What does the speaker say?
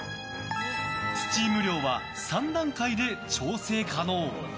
スチーム量は、３段階で調整可能。